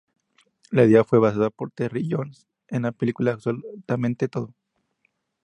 La idea fue usada por Terry Jones en la película "Absolutamente Todo".